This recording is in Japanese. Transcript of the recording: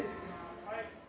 ・はい。